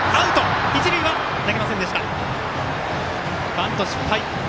バント失敗。